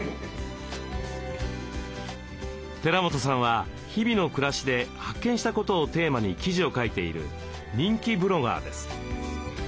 寺本さんは日々の暮らしで発見したことをテーマに記事を書いている人気ブロガーです。